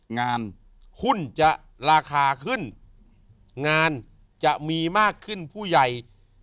งานหุ้นจะราคาขึ้นงานจะมีมากขึ้นผู้ใหญ่